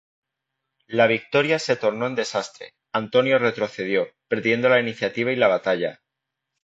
La victoria se tornó en desastre, Antonio retrocedió, perdiendo la iniciativa y la batalla.